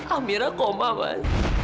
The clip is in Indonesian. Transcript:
amirah koma mas